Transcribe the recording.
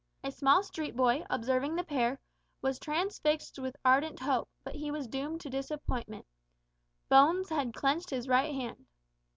A small street boy, observing the pair, was transfixed with ardent hope, but he was doomed to disappointment. Bones had clenched his right hand.